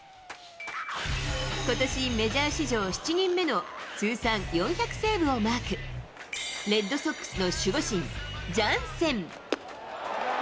ことしメジャー史上７人目の通算４００セーブをマーク、レッドソックスの守護神、ジャンセン。